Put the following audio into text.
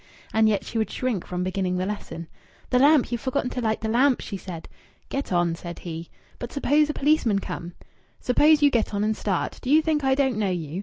And yet she would shrink from beginning the lesson. "The lamp! You've forgotten to light the lamp!" she said. "Get on," said he. "But suppose a policeman comes?" "Suppose you get on and start! Do you think I don't know you?